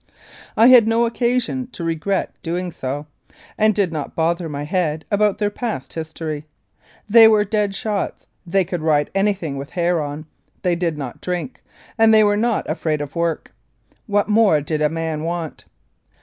I had no occasion to regret doing so, and did not bother my head about their past history. They were dead shots ; they could ride anything with hair on ; they did not drink ; and they were not afraid of work. What more did man want?